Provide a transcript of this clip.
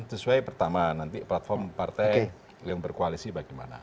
sesuai pertama nanti platform partai yang berkoalisi bagaimana